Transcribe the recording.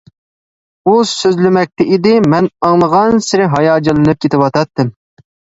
ئۇ سۆزلىمەكتە ئىدى، مەن ئاڭلىغانسېرى ھاياجانلىنىپ كېتىۋاتاتتىم.